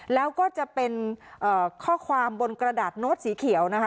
แล้วก็จะเป็นข้อความบนกระดาษโน้ตสีเขียวนะคะ